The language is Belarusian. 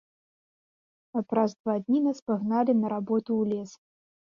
А праз два дні нас пагналі на работу ў лес.